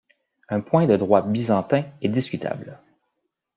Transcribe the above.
Un point de droit byzantin est discutable.